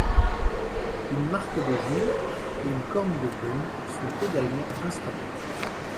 Une marque de jour et une corne de brume sont également installées.